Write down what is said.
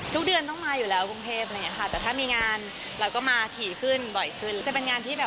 ทุกเดือนต้องมาอยู่แล้วกรุงเพศอะไรอย่างนี้ค่ะ